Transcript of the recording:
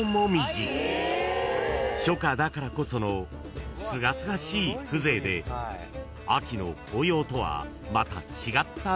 ［初夏だからこそのすがすがしい風情で秋の紅葉とはまた違った魅力が］